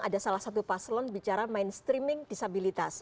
ada salah satu paslon bicara mainstreaming disabilitas